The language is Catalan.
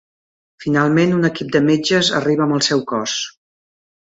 Finalment, un equip de metges arriba amb el seu cos.